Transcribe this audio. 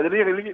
jadi yang ini